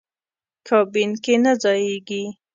کابین کې نه ځایېږي.